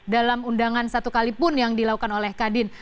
dalam undangan satu kalipun yang dilakukan oleh kadin